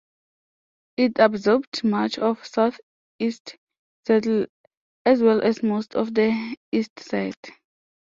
It absorbed much of southeast Seattle, as well as most of the Eastside.